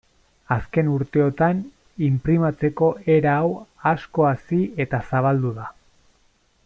Azken urteotan inprimatzeko era hau asko hazi eta zabaldu da.